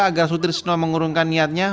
agar sutrisno mengurungkan niatnya